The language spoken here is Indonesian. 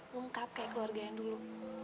ngungkap kayak keluarga yang dulu